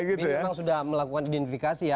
ini memang sudah melakukan identifikasi ya